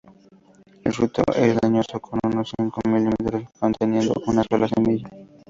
El fruto es leñoso con unos cinco milímetros, conteniendo una sola semilla.